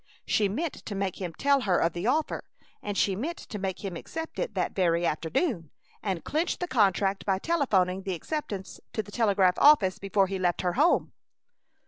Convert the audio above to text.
She meant to make him tell her of the offer, and she meant to make him accept it that very afternoon and clinch the contract by telephoning the acceptance to the telegraph office before he left her home.